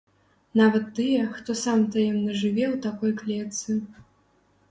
Нават тыя, хто сам таемна жыве ў такой клетцы.